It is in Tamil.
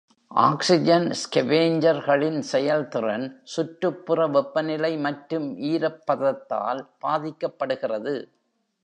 ஆக்ஸிஜன் scavengerகளின் செயல்திறன் சுற்றுப்புற வெப்பநிலை மற்றும் ஈரப்பதத்தால் பாதிக்கப்படுகிறது.